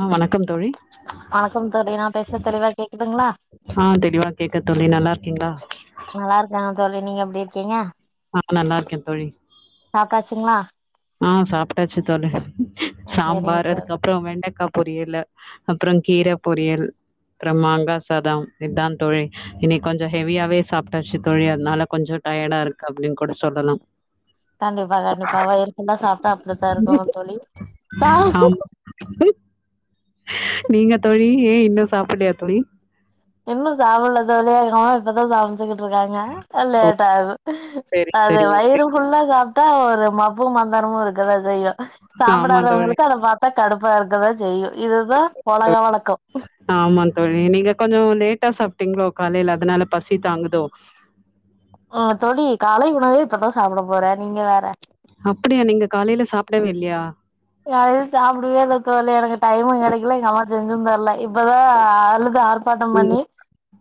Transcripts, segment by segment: ஆ வணக்கம் தோழி வணக்கம் தோழி நா பேசறத் தெளிவா கேக்குதுங்க்ளா ஆ தெளிவா கேட்குத் தோழி நல்லா இருக்கீங்களா நல்லா இருக்கங்க தோழி நீங்க எப்டி இருக்கீங்க ஆ நல்லா இருக்கே தோழி சாப்ட்டாச்சுங்களா ஆ சாப்ட்டாச்சு தோழி சரிங்க சாம்பார் தோழி அதுக்கப் ப்றோ வெண்டக்கா பொரியல் அப்ற கீர பொரியல் அப்றோ மாங்கா சாதம் இத்தா தோழி இன்னிக் கொஞ்சோ ஹெவியாவே சாப்ட்டாச்சு தோழி அதனால கொஞ்ச டயர்டா இருக்கு அப்டின்னு கூட சொல்லனும் கண்டிப்பா கண்டிப்பா வயிறு ஃபுல்லா சாப்ட்டா அப்டித்தா இருக்குங்க தோழி ம் நீங்க தோழி ஏன் இன்னும் சாப்புட்லையா தோழி இன்னும் சாப்பிட்ல தோழி அதுனால இப்பதா சாப் கிட்டு இருக்காங்க ஓ லேட் ஆகும் சரி அது சரி ஓகே. வயிறு ஃபுல்லா சாப்ட்டா ஒரு மப்பு மந்தாரமும் இருக்கதான் செய்யும் ஆமா தோழி சாப்படாதவங்களுக்கு அத பாத் கடுப்பா இருக்கத்தான் செய்யும் இதுதான் உலக வழக்கம் ஆமாங் தோழி நீங்க கொஞ்சம் லேட்டா சாப்பிட்டீங்ளோ காலைல அதனால பசி தாங்குதோ அ தோழி காலை உணவே இப்பதான் சாப்பிட போறேன் நீங்க வேற அப்படியா நீங்க காலைல சாப்பிடவே இல்லையா காலைல சாப்பிடவே இல்ல தோழி எனக்கு டைமும் கெடைக்கல எங்க அம்மாவும் செஞ்சும் தரல ல இப்பதான் அழுது ஆர்ப்பாட்டம் பண்ணி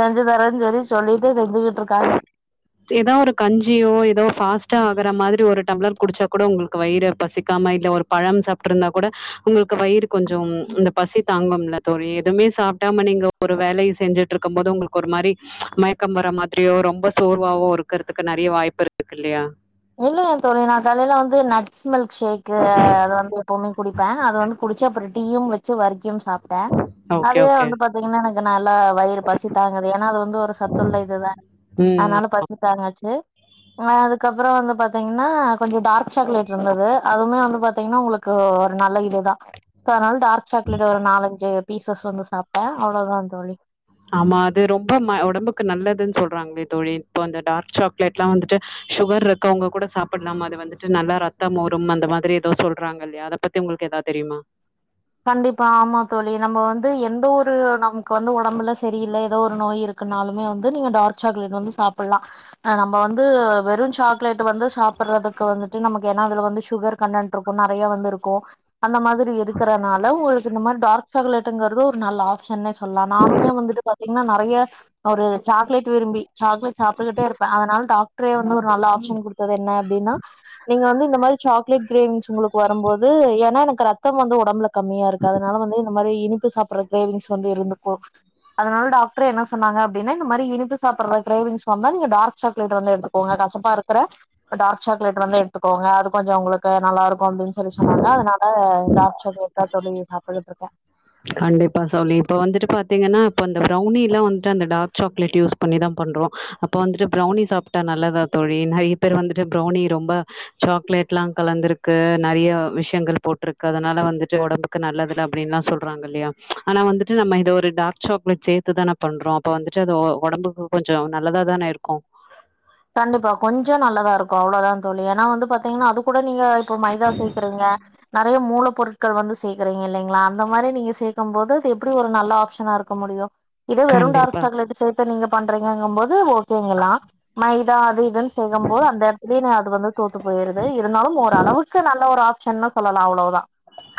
செஞ்சு தரேன் சொல்லி சொல்லிட்டு செஞ்சுகிட்டு இருக்காங்க ஏதா ஒரு கஞ்சியோ ஏதோ ஃபாஸ்ட்டா ஆகற மாதிரி ஒரு டம்ளர் குடிச்சா கூட உங்களுக்கு வயிறு பசிக்காம இல்ல ஒரு பழம் சாப்ட்ருந்தா கூட உங்களுக்கு வயிறு கொஞ்சொம் இந்த பசி தாங்கும்ல தோழி எதுமே சாப்டாம நீங்க ஒரு வேலையும் செஞ்சுட்டு இருக்கும் போது உங்களுக்கு ஒரு மாரி மயக்கம் வர மாதிரியோ ரொம்ப சோர்வாவோ இருக்கறதுக்கு நெறைய வாய்ப்பு இருக்கு இல்லையா இல்லயே தோழி நான் காலைல வந்து ந நட்ஸ் மில்க் ஷேக்கு அது வந்து எப்பவுமே குடிப்பேன் அது வந்து குடிச்சு அப்புறம் டீயும் வெ ச்சு வர்க்கியும் சாப்பிட்டேன் ஓகே, அதே ஓகே. வந்து பாத்தீங்கன்னா எனக்கு நல்லா வயிறு பசி தாங்குல ஏன்னா அதுல எந்து ஒரு சத்து இல்ல இல்லையா ம். அதனால பசி தாங்குச்சு நாநன் அதுக்கப்புறம் அப்புறம் வந்து பாத்தீங்கன்னா கொஞ்சம் டார்க் சாக்லேட் இருந்தது அதுமே வந்து பாத்தீங்கன்னா உங்களுக்கு ஒரு நல்ல இதுதான் சோ அதனால டார்க் சாக்லேட் ஒரு நாலஞ்சு பீசஸ் வந்து சாப்ட்டேன் அவ்வளோதான் தோழி ஆமா அது ரொம்ப உடம்புக்கு நல்லதுன் சொல்றாங்களே தோழி இப்போ அந்த டார்க் சாக்லேட் லாம் வந்துட்டு சுகர் இருக்கவங்க கூட சாப்பிடலாம் அது வந்துட்டு நல்லா ரத்தம் ஊரும் அந்த மாதிரி ஏதோ சொல்றாங்க இல்லையா அத பத் உங்களுக்கு ஏதாவது தெரியுமா கண்டிப்பா ஆமா தோழி நம்ம வந்து எந்த ஒரு நமக்கு வந்து ஒடம்புல சரியில்ல ஏதோ ஒரு நோய் இருக் குனாலுமே வந்து நீங்க டார்க் சாக்லெட் வந்து சாப்பிட்லாம் நம்ம வந்து வெறும் சாக்லேட் வந்து சாப்பிடடுறதுக்கு வந்துட்டு நமக்கு ஏன்னா அதுல வந்து சுகர் கன்டன்ட் இருக்கும் நெறைய வந்து இருக்கும் அந்த மாதிரி இருக்கறனால உங்களுக்கு இந்த மாரி டார்க் சாக்லேட்டுங்கறது ஒரு நல்ல ஆப்ஷன்னே சொல்லலாம் நானுமே வந்துட்டு பாத்தீங்ன்னா நெறைய ஒரு சாக்லேட் விரும்பி சாக்லேட் சாப்பிட்டுக்கிட்டே இருப்பேன் அதனால டாக்டரே வந்து ஒரு நல்ல ஆப்ஷன் குடு என்ன அப்படின்னா நீங்க வந்து இந்த மாதிரி சாக்லேட் கிரேவிங்ஸ் உங்களுக்கு வரும்போது ஏன்னா எனக்கு ரத் த்தம் வந்து ஒடம்புல கம்மியா இருக்கு அதனால வந்து இந்த மாதிரி இனிப்பு சாப்பிடற கிரேவிங்ஸ் வந்து இருந்துக்கும் அதனால டாக்டர் என்ன சொன்னாங்க அப்படனா இந்த மாரி இனிப்பு சாப்பட்ற கிரவிங்ஸ் வந்தா நீங்க டார்க் சாக்லேட் வந்து எடுத்துக் கொஞ்சம் கசப்பா இருக்கற டார்க் சாக்லேட் வந்து எடுத்துக்கோங்க அது கொஞ்சம் உங்களுக்கு நல்லா இருக்கும் அப்படின் சொல்லி சொன்னாங்க அதனால டார்க் அதான் தோழி சாப்டுட்டு இருக்கேன் கண்டிப்பா தோழி இப்ப வந்துட்டு பாத்தீங்கன்னா இப்ப அந்த பிரௌனிலாம் வந்துட்டு அந்த டார்க் சாக்லேட் யூஸ் பண்ணிதான் பண்றோம் அப்ப வந்துட்டு பிரௌனி சாப்பிட்டா நல்லதான் தோழி நிறைய பேர் வந்துட்டு பிரௌனி ரொம்ப சாக்லேட்லாம் கலந்துருக்கு நிறைய விஷயங்கள் போட்டிருக்கு அதனால வந்துட்டு உடம்புக்கு நல்லது தான் அப்படின்னுல்லாம் சொல் றாங்க இல்லையா ஆனா வந்துட்டு நம்ம இதை ஒரு டார்க் சாக்லேட் சேர்த்துதான பண்றோம் அப்ப வந்து உடம்புக்கு கொஞ்சம் நல்லதா தானே இருக்கும் கண்டிப்பா கொஞ்சம் நல்லதா இருக்கும் அவ்வளோதான் தோழி ஏன்னா வந்து பாத்தீங்கன்னா அது கூட நீங்க இப்ப மைதா சேர்க்கிறீங்க நிறைய மூல பொருட் க்கள் வந்து சேர்க்கறீங்க இல்லைங்களா அந்த மாதிரி நீங்க சேர்க்கும் போது இது எப்படி ஒரு நல்ல ஆப்ஷனா இருக்க முடியும் இத வெறும் டார்க் கண்டிப்பா சாக்லேட் சேர்த்து நீங்க பண்றீங்கங்கும் போது ஓகேங்களா மைதா அது இதுன்னு செக்கும் போது அந்த இடத்துலயே அது வந்து தோத்து போயிருது இருந்தாலும் ஓரளவுக்கு க்கு நல்ல ஒரு ஆப்ஷன்னனு சொல்லா அவ்ளவுதா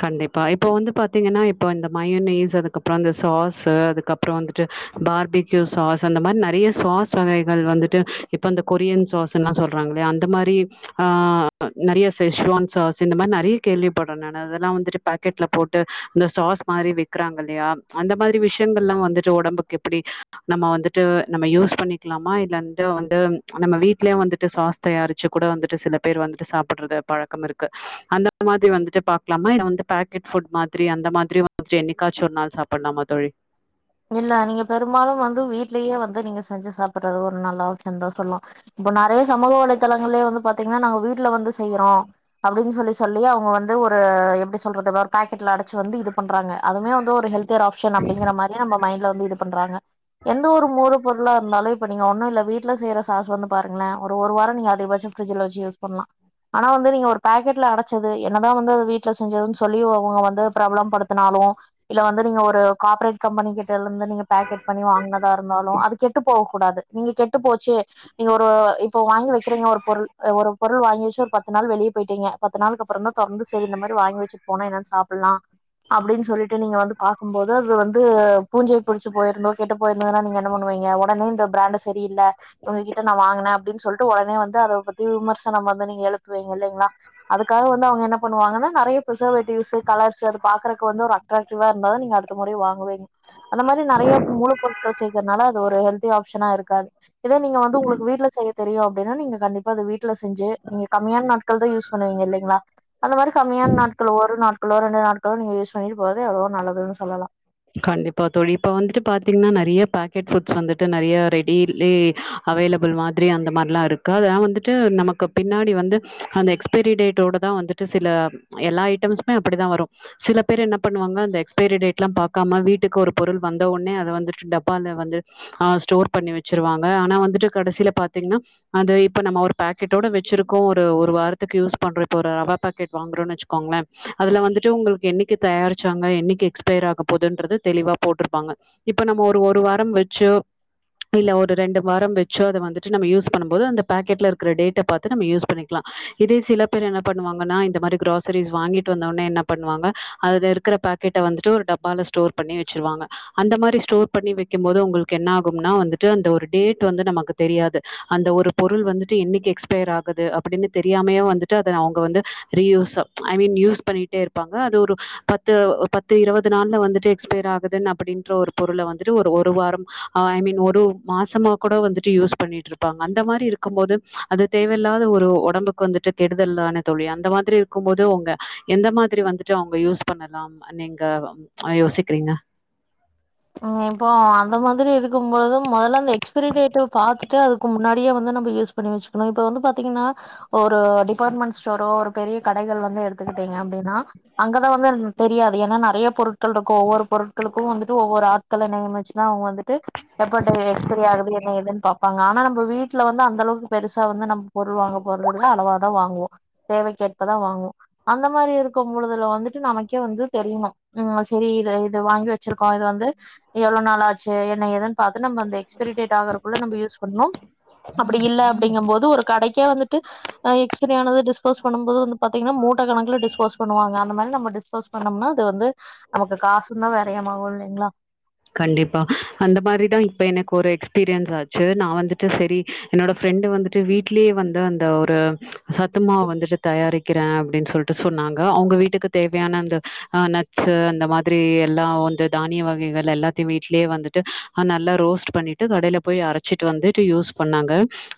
கண்டிப்பா இப்ப வந்து பாத்தீங்கன்னா இப்ப இந்த மயனீஸ் அதுக்கப்புற அந்த சாஸ்சு அதுக்கப்ப புறம் வந்துட்டு பார்பிக்யூ சாஸ் அந்த மாரி நெறைய சாஸ் வகைகள் வந்துட்டு இப்போ அந்த கொரியன் சாஸ் எல்லா சொல்றாங்களையா அந்த மாரி ஆ நெறைய சேஸ்வான் சாஸ் இந்த மாரி நெறைய கேள்விப்பட [unintelligible] அதெல்லா வந்துட்டு பாக்கெட்ல போட்டு இந்த சாஸ் மாரி விக்கிறாங்க இல்லையா அந்த மாரி விஷயங்கள் எல்லா வந்து ச்சு ஒடம்புக்கு எப்டி நம்ம வந்துட்டு நம்ம யூஸ் பண்ணிக்கலாமா இல்லன்டு வந்து நம்ம வீட்லயே வந்துட்டு சாஸ் தயாரிச்சு கூட வந்துட்டு சில பேர் வந்துட்டு சாப்பிடுறது பழக்கம் இருக்கு அந்த மாரி வந்துட்டு பாக்கலாம இல்ல வந்து பேக்கெட் ஃபுட் மாரி அந்த மாரி வந்து என்னைக்காச்சு ஒரு நாள் சாப்பிட்லாமா தோழி இல்ல நீங்க பெரும்பாலும் வந்து வீட்லயே வந்து நீங்க செஞ்சு சாப்பிடுறது ஒரு நல்ல ஆப்ஷன் தா சொல்லாம் இப்ப நெறைய சமூக வலைதளங்களே வந்து பாத்தீங்கன்னா நாங்க வீட்டுல வந்து செய்யறோ அப்டின்னு சொல்லி சொல்லி அவங்க வந்து ஒரு எப்டி சொல்றது ஒரு பாக்கெட்ல அடைச்சு வந்து இது பண்றாங்க அதுமே வந்து ஒரு ஹெல்தியர் ஆப்ஷன் அப்டிங்கிற மாரி நம் மைன்டுல வந்து இது பண்றாங்க எந்த ஒரு மூல பொருளா இருந்தாலு இப்ப நீங்க ஒன்னு இல்ல வீட்டுல செய்யற சாஸு வந்து பாருங்களே ஒரு ஒரு வாரோ நீங்க அதிகபட்சம் ஃப்ரிட்ஜ்ல வச்ச யூஸ் பண்ணலா ஆனா வந்து நீங்க ஒரு பேக்கெட்ல அடைச்சது என்னதா வந்து அது வீட்டுல செஞ்சதுன்னு சொல்லி அவங்க வந்து பிரபலம் படுத்தினாலு இல்ல வந்து நீங்க ஒரு கா கம்பனி கிட்ட இருந்து நீங்க பேக்கெட் பண்ணி வாங்கனதா இருந்தாலு அது கெட்டு போக கூடாது நீங்க கெட்டு போச்சு நீங்க ஒரு இப்போ வாங்கி வெக்கிறீங்க ஒரு பொருள் ஒரு பொருள் வாங்கி வச்சு ஒரு பத்து நாள் வெளியே போயிட்டீங்க பத்து நாளுக்கு அப்புறம் தா தொறந்து செரி இந்த மாரி வாங்கி வச்சு போனா என்னன்னு சாப்பிடலா அப்டின்னு சொல்லிட்டு நீங்க வந்து பாக்கும்போது அது வந் து பூஞ்சை புடிச்ச போயிருந்தோ கெட்டு போயிருந்ததுன்னா நீங்க என்ன பண்ணுவீங்க உடனே இந்த பிராண்டு சரியில்ல்ல உங்ககிட்ட நா வாங்கினே அப்டின்னு சொல்லிட்டு உடனே வந்து அத பத்தி விமர்சனம் வந்து நீங்க எழுப்புவீங்க இல்லலைங்களா அதுக்காக வந்து அவங்க என்ன பண்ணுவாங்கன்னா நெறைய பிரிசர்வேட்டிவ்ஸ் கலர்ஸ் அது பாக்குறக்கு வந்து ஒரு அட்ராக்டிவா இருந்ததா நீங்க அடுத்த முற வாங்க [unintelligible] அந்த மாரி நெறைய மூலப் பொருட்கள் சேக்றனால அது ஒரு ஹெல்தி ஆப்ஷனா இருக்காது இதே நீங்க வந்து உங்களுக்கு வீட்டுல செய்ய தெரியு அப்டின்னா நீங்க கண்டிப் ப அது வீட்டுல செஞ்சு நீங்க கம்மியான நாட்கள் தா யூஸ் பண்ணுவீங்க இல்லீங்களா அந்த மாரி கம்மியான நாட்கள் ஒரு நாட் குள்ள ரெண்டு நாட்களு நீங்க யூஸ் பண்ணிட்டு போறது எவ்வளோ நல்லதுன்னு சொல்லலா கண்டிப்பா தோழி இப்ப வந்துட்டு பாத்திங்கனா நெறைய பேக்கெட் ஃபுட்ஸ் வந்துட்டு நெறைய ரெடி லே அவைலபிள் மாதிரி அந்த மாதிரிலா இருக்கு அதெல்லா வந்துட்டு நமக்கு பின்னாடி வந்து அந்த எக்ஸ்பைரி டேட்டோட தா வந்து ட்டு சில எல்லா ஐட்டம்ஸமே அப்டித்தா வரு சில பேர் என்ன பண்ணுவாங்க அந்த எக்ஸ்பரி டேட்லாம் பா க்கம்மா வீட்டுக்கு ஒரு பொருள் வந்தவுடனே அத வந்துட்டு டப்பால வந்து ஆ ஸ்டோர் பண்ணி வச்சிருவாங்க ஆனா வந்துட்டு கடைசியில பாத்தீங்கன்னா அது இப்ப நம்ம ஒரு பேக்கெட்டோட வச்சிருக்கோ ஒரு ஒரு வாரத்துக்கு யூஸ் பண்றோ இப்ப ஒரு ரவா பேக்கெட் வாங்கறோன்னு வச்சுக்கோங்களே அதுல வந்துட்டு உங்களுக்கு என்னைக்கி தயாரிச்சாங்க என்னைக்கி எக்ஸ்பயர் ஆக போதுன்றது தெளிவா போட்டுருப்பாங்க இப்ப நம்ம ஒரு ஒரு வாரம் வச்சு இல்ல ஒரு ரெண்டு வாரம் வச்சோ அதை வந்துட்டு நம்ம யூஸ் பண்ணும்போது அந்த பேக்கெட்ல இருக்கிற டேட்ட பாத்து நம்ம யூஸ் பண்ணிக்கலா இதே சில பேர் என்ன பண்ணுவாங்கன்னா இந்த மாதிரி கிரோசரிஸ் வாங்கிட்டு வந்தவுடனே என்ன பண்ணுவாங்க அதுல இருக்கிற பா கிட்ட வந்துட்டு ஒரு டப்பால ஸ்டோர் பண்ணி வச்சருவாங்க அந்த மாதிரி ஸ்டோர் பண்ணி வைக்கும் போது உங்களுக்கு என்ன ஆகும்னா வந்துட்டு அந்த ஒரு டேட் வந்து நமக்கு தெரியாது அந்த ஒரு பொருள் வந்துட்டு என்னைக்கி எக்ஸ்பயர் ஆகுது அப்டின்னு தெரியாமையே வந்துட்டு அத அவங்க வந்து ரீயூஸ் ஐ மீன் யூஸ் பண்ணிட்டே இருப்பாங்க அது ஒரு பத்து பத்து இருவ் து நாள்ல வந்துட்டு எக்ஸ்பர் ஆகுதுனு அப்புடின்ற ஒரு பொருளை வந்துட்டு ஒரு ஒரு வாரம் ஐ மீன் ஒரு மாசமா கூட வந்துட்டு யூஸ் பண்ணிட்டு இருப்பாங்க அந்த மாதிரி இருக்கும் போது அது தேவையில்லாத ஒரு ஒடம்புக்கு வந்துட்டு கெடுதல் தானே தோழி அந்த மாதிரி இருக்கும்போது உங்க எந்த மாதிரி வந்துட்டு அவங்க யூஸ் பண்ணலா நீங்க யோசிக்கிறீங்க இப்போ அந்த மாதிரி இருக்கும்பொழுது முதல்ல அந்த எக்ஸ்பரி டேட்ட பாத்துட்டு அதுக்கு முன்னாடியே வந்து நம்ம யூஸ் பண்ணி வச்சுக்கணு இப்ப வந்து பாத்தீங்கன்னா ஒரு டிபார்ட்மெண்ட் ஸ்டோரோ பெரிய கடைகள் வந்து எடுத்துக்கிட்டீங்க அப்டின்னா அங்கதா வந்து தெரியாது ஏன்னா நெறைய பொருட்கள் இருக்கு ஒவ்வொரு பொருட்களுக்கு வந்துட்டு ஒவ்வொரு ஆட்கள நியமிச்சுதா அவங்க வந்துட்டு எப்ப டே எக்ஸ்பரிய ஆகுது என்ன ஏதுன்னு பாப்பாங்க ஆனா நம்ம வீட்ல வந்து அந்த அளவுக்கு பெருசா வந்து நம் பொருள் வாங்க போறது இல்ல அளவா தா வாங்குவோ தேவை கேடப்பதா வாங்குவோ அந்த மாதிரி இருக்கு பொழுதுல வந்துட்டு நமக்கே வந்து தெரியணு ம் செரி இத இத வாங்கி வச்சிரு இத வந்து எவ்ளோ நாள் ஆச்சு என்ன ஏதுன்னு பாத்து நம்ம அந்த எஸ்பிரி டேட் ஆறக்குள்ள நம்ம யூஸ் பண்ணு அப்டி இல்ல அப்படிங்கு போது ஒரு கடைக்கே வந்துட்டு எக்ஸ்பிரியானத டிஸ்போஸ் பண்ணும் போது வந்து பாத்தீங்கன்னா மூட்ட கணக்கல டிஸ்போஸ் பண்ணுவாங்க அந்த மாரி நம்ம டிஸ்போஸ் பண்ணோம்னா அது வந்து நமக்கு காசு தா வறையம் ஆகு இல்லைங்களா கண்டிப்பா அந்த மாரிதா இப்ப எனக்கு ஒரு எக்ஸ்பீரியன்ஸ் ஆச்சு நா வந்துட்டு செரி என்னோட ஃப்ரெண்டு வந்துட்டு வீடலயே வந்து அந்த ஒரு சத்துமாவ வந்துட்டு தயாரி க்கிறே அப்டின்னு சொல்லிட்டு சொன்னாங்க அவங்க வீட்டுக்கு தேவையான அந்த நட்சு அந்த மாதிரி எல்லா வந்து தானிய வகைகள் எல்லாத்தையு வீட்லயே வந்துட்டு நல்லா ரோஸ்ட் பண்ணிட்டு கடையில போய் அரைச்சிட்டு வந்துட்டு யூஸ் பண்ணாங்க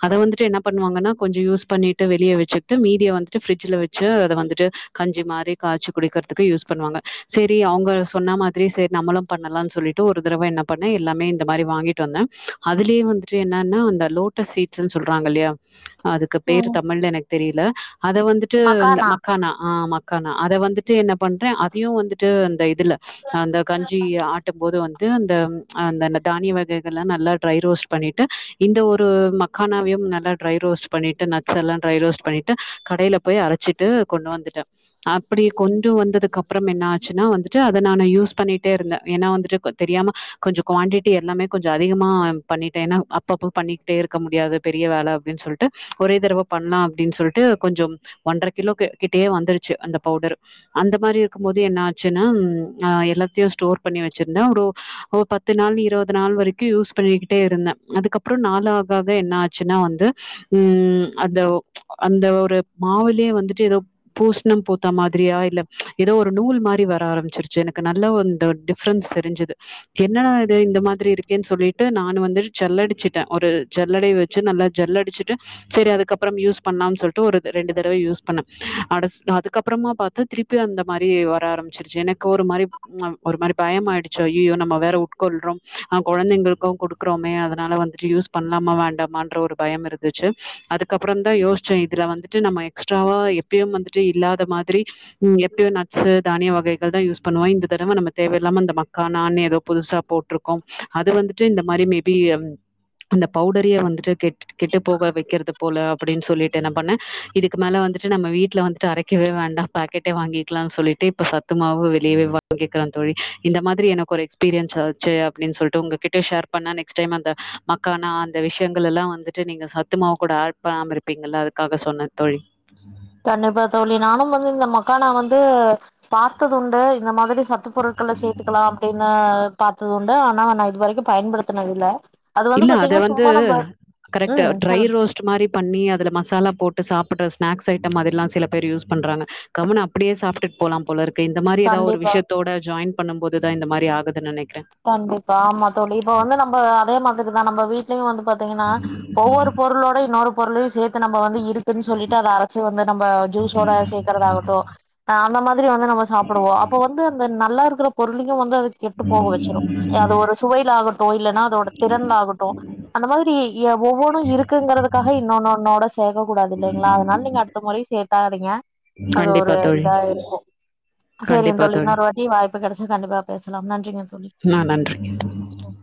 அத வந்துட்டு என்ன பண்ணுவாங்கன்னா கொஞ்சோ யூஸ் பண்ணிட்டு வெளிய வச்சுட்டு மீதிய வந்துட்டு ஃபரிட்ஜல வச்சு அத வந்துட்டு கஞ்சி மாரி காய்ச்சி குடிக்கிறதுக்கு யூஸ் பண்ணுவாங்க செரி அவங்க சொன்ன மாதிரி செரி நம்மளு பண்ணலா சொல்லிட்டு ஒரு தடவ என்ன பண்ணே எல்லாமே இந்த மாதிரி வாங்கிட்டு வந்தே அதுலே வந்துட்டு என்னன்ன அந்த லோட் சீட்ஸ்னு சொல்றாங்க இல்லையா அதுக்கு பேரு ம் தமிழ்ல எனக்கு தெரியல அத வந்துட்டு இந்த மக்கானா ஆ மக் கானா அத வந்துட்டு என்ன பண்றே அதையு வந்துட்டு அந்த இதுல அந்த கஞ்சி ஆ இது வந்து அந்த அந்த தானிய வகைகள்லா நல்லா டிரை ரோஸ்ட் பண்ணிட்டு இந்த ஒரு மக் மக்கானாவையு நல்லா ட்ரை ரோஸ்ட் பண்ணிட்டு நட்ஸ் எல்லா ட்ரை ரோஸ்ட் பண்ணிட்டு கடையில போய் அரச்சிட்டு கொண்டு வந்துட்டே அப்டி கொண்டு வந்ததுக்கு அப்புறம் என்ன ஆச்சுன்னா வந்துட்டு அத நானு யூஸ் பண்ணிட்டே இருந்தே ஏன்னா வந்துட்டு தெரியாம கொஞ்சோ குவாண்டிட்டி எல்லாமே கொஞ்சோ அதிகமா பண்ணிட்டே ஏன்னா அப் அப்பப்போ பண்ணிக்கிட்டே இருக்க முடியாது பெரிய வேல அப்டின்னு சொல்லிட்டு ஒரே தடவ பண்லா அப்டின்னு சொல்ட்டு கொஞ்சோ ஒன்றரை கிலோ கிட்டயே வந்துருச்சு அந்த பவுடர் அந்த மாரி இருக்கு போது என்ன ஆச்சுன்னா எல்லாத்தையு ஸ்டோர் பண்ணி வச்சிருந்தே ஒரு ஒரு பத்து நாள் இருவது நாள் வரைக்கு யூஸ் பண்ணிக்கிட்டே இருந்தே அதுக்கப்பறோ நாலாவது க்காக என்ன ஆச்சுன்னா வந்து ம் அந்த அந்த ஒரு மாவுலயே வந்துட்டு ஏதோ பூசணம் பூத்த மாதிரியா இல்ல ஏதோ ஒரு நூல் மாரி வர ஆரம்ச்சிருச்சு எனக்கு நல்ல இந்த டிப் ப்ரெண்ட்ஸ் தெரின்சது என்னடா இது இந்த மாதிரி இருக்கேன்னு சொல்லிட்டு நானு வந்து செல்லடிச்சுட்டே ஒரு செல்லடை வச் நல்லா ஜல் அடிச்சுட்டே செரி அதுக்கப்புறம் யூஸ் பண்ணா சொல்லிட்டு ஒரு ரெண்டு தடவ யூஸ் பண்ண அதுக்கப்புறமா பாத்தா திருப் பி அந்த மாரி வர ஆரம்பிச்சிருச்சு எனக்கு ஒரு மாரி ஒரு மாரி பயமாயிடுச்சு ஐய்யையோ நம்ம வேற உட்கொள்றோம் அ கொழந்தைங்களுக்கு கொடுக்குறோமே அதனால வந்துட்டு யூஸ் பண்ணலாமா வேண்டாமான்ற ஒரு பயம் இருந்துச்சு அதுக்கப்புறதா யோசிச்சே இதுல வந்துட்டு நம்ம எக்ஸ்ட்ராவா எப்பயும் வந்துட்டு இல்லாத மாதிரி ம் எப்பயோ நட்ஸு தானிய வகைகள் தா யூஸ் பண்ணுவோ இந்த தடவ நம்ம தேவையில்லாம அந்த மக்கா நானிய ஏதோ புதுசா போட்டுருக்கோ அது வந்துட்டு இந்த மாதிரி மேபி அந்த பவுடரியே வந்துட்டு கெட்டு கெட்டு போக வைக்கறது போல அப்டின் சொல்லிட்டு என்ன பண்ணே இதுக்கு மேல வந்துட்டு நம்ம வீட்ல வன்டு அரைக் க்கவே வேண்டா பாக்கெட்டே வாங்கிக்கலாம்னு சொல்லிட்டு இப்ப சத்துமாவு வெளியே வாங்கி க்கலா தோழி இந்த மாதிரி எனக்கு ஒரு எக்ஸ்பீரியன்ஸ் ஆச்சு அப்டின்னு சொல்ட்டு உங்ககிட்ட ஷேர் பண்ணானெக் ஃபஸ்ட் டைம் அந்த மக்கானா அந்த விஷயங்கள் எல்லா வந்துட்டு நீங்க சத்துமாவு கூட ஆட் பண்ணாமருக் அப்பீங்கள அதுக்காக சொன்ன தோழி கண்டிப்பா தோழி நானு வந்து இந்த மக்கான வந்து பார்த்தது உண்டு இந்த மாதிரி சத்து பொருட்கள சேர்த்துக்கலா அப்டின்னு பார்த்தது உண்டு ஆனா நா இதுவரைக்கு பயன்படுத்தனதில்ல இல்ல அத வந்து கரெக்ட் ம் ட்ரை சொல்லுங்க ரோஸ்ட் ட் மாறி பண்ணி அதுல மசாலா போட்டு சாப்பிட்ற ஸ்நாக்ஸ் ஐட்டமாதிரிலா சில பேர் யூஸ் பண்றாங்க கம்முனு அப்படியே சாப்புட் போலா போலருக்கு இப்ப இந்த மாறி ஏதாவ ஒரு கண்டிப்பா விஷயத்தோட ஜாயின் பண்ணும்போதுதா இந்த மாறி ஆகுதுன்னு நெனைக்குறே கண்டிப்பா ஆமா தோழி இப்ப வந்து நம்ம அதே மாதிரி தா நம்ம வீட்லயு வந்து பாத் த்திங்கன்னா ஒவ்வொரு பொருளோட இன்னொரு பொருளையு சேர்த்து நம்ம வந்து இருக்குன்னு சொல்லிட்டு அது அரச்சு வந்து நம்ம ஜூஸோட சேக்காறதா ஆகட்டு ஆ அந்த மாதிரி வந்து நம்ம சப்புடுவோ அப்ப வந்து அந்த நல்லா இருக்கற பொருளயு வந்து அது கெட்டு போக வச் அது ஒரு சுவைல ஆகட்டு இல்லன்னா அதோட திறன்ள ஆகட்டு அந்த மாதிரி எவ் ஒவ்வொன்னு இருக்குங்கிறதுதுக்காக இன்னொன்னு ஒன்னோட சேக்க கூடாது இல்லைங்களா அதனால நீங்க அடுத்த முறையு சேக்காதீங்க அது ஒரு கண்டிப்பா தோழி இதா இருக்கு செரிங்க தோழி இன்னோரு வாட் டி வாய்ப்பு கிடைச்ச கண்டிப்பா பேசலா நன்றிங்க தோழி நா நன்றி ஒம்